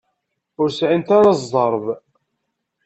Ur sɛint ara zzerb.